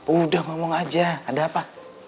udah ngomong aja ada apa